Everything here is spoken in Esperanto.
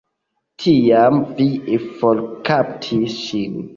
Tiam vi forkaptis ŝin.